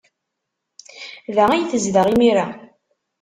Da ay tezdeɣ imir-a.